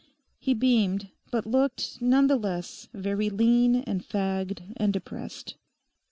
He beamed, but looked, none the less, very lean and fagged and depressed.